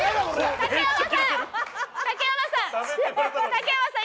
竹山さん！